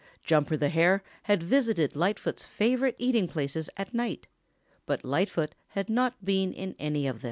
Jumper the Hare had visited Lightfoot's favorite eating places at night, but Lightfoot had not been in any of them.